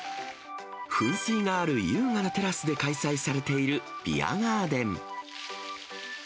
噴水がある優雅なテラスで開催されているビアガーデン。